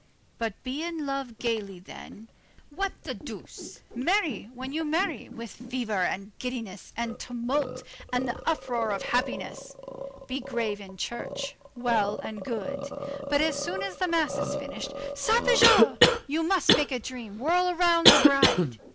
But be in love gayly then, what the deuce! marry, when you marry, with fever and giddiness, and tumult, and the uproar of happiness! Be grave in church, well and good. But, as soon as the mass is finished, sarpejou! you must make a dream whirl around the bride.